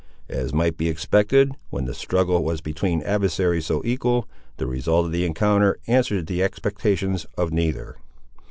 As might be expected, when the struggle was between adversaries so equal, the result of the encounter answered the expectations of neither.